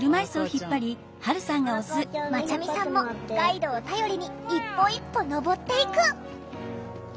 まちゃみさんもガイドを頼りに一歩一歩登っていく。